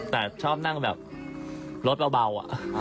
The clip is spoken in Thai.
แต่ชอบนั่งแบบรถเบาอ่ะ